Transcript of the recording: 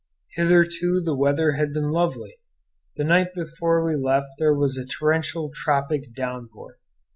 Hitherto the weather had been lovely. The night before we left there was a torrential tropic downpour.